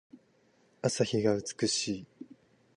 朝日が美しい。